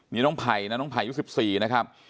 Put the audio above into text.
นี่น้องไผ่นะน้องไผ่ยุค๑๔นะครับ